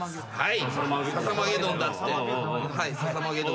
はい。